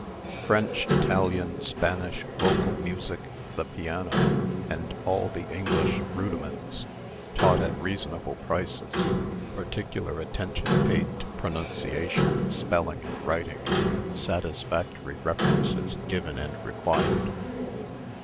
French, Italian, Spanish, vocal music, the piano, and all the English rudiments, taught at reasonable prices. Particular attention paid to pronunciation, spelling, and writing. Satisfactory references given and required.